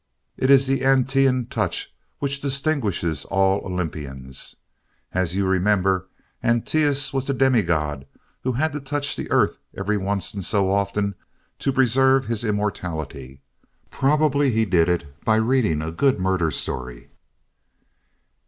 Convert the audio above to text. It is the Antæan touch which distinguishes all Olympians. As you remember, Antæus was the demigod who had to touch the earth every once and so often to preserve his immortality. Probably he did it by reading a good murder story.